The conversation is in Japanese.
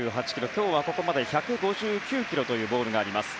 今日はここまで１５９キロというボールがありました。